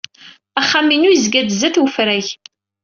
Axxam-inu yezga-d sdat wefrag.